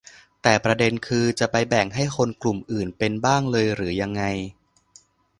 แต่ประเด็นคือ จะไปแบ่งให้คนกลุ่มอื่นเป็นบ้างเลยหรือยังไง